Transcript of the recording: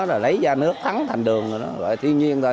rồi lấy ra nước thắng thành đường rồi gọi là thiên nhiên thôi